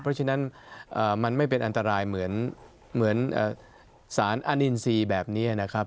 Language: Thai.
เพราะฉะนั้นมันไม่เป็นอันตรายเหมือนสารอนินทรีย์แบบนี้นะครับ